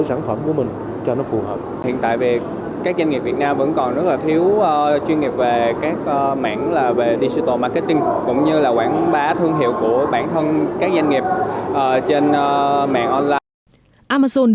sau đó mình hãy tìm hiểu đến amazon